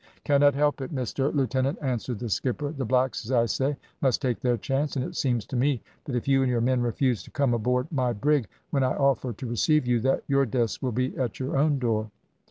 "`Cannot help it, Mister Lieutenant,' answered the skipper. `The blacks, as I say, must take their chance; and it seems to me that if you and your men refuse to come aboard my brig, when I offer to receive you, that your deaths will be at your own door.'